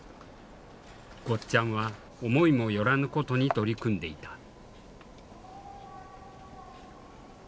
ゴッちゃんは思いも寄らぬことに取り組んでいた。